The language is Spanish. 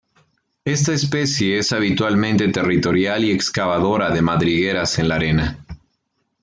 Esta especie es habitualmente territorial y excavadora de madrigueras en la arena.